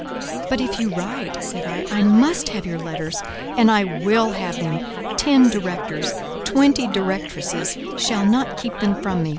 "But if you write," said I, "I must have your letters; and I will have them: ten directors, twenty directresses, shall not keep them from me.